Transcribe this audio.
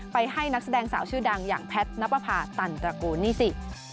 ให้นักแสดงสาวชื่อดังอย่างแพทย์นับประพาตันตระกูลนี่สิ